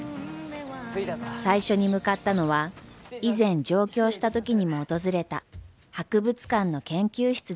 最初に向かったのは以前上京した時にも訪れた博物館の研究室です。